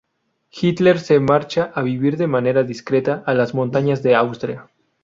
Hitler se marcha a vivir de manera discreta a las montañas de Austria.